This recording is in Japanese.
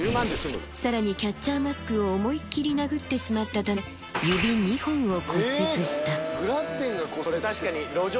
さらにキャッチャーマスクを思いっ切り殴ってしまったため、指２本を骨折した。